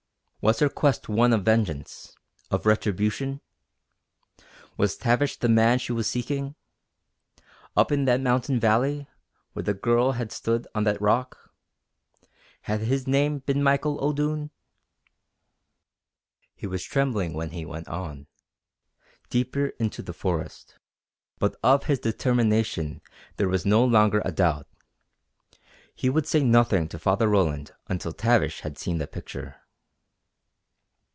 Was her quest one of vengeance of retribution? Was Tavish the man she was seeking? Up in that mountain valley where the girl had stood on that rock had his name been Michael O'Doone? He was trembling when he went on, deeper into the forest. But of his determination there was no longer a doubt. He would say nothing to Father Roland until Tavish had seen the picture.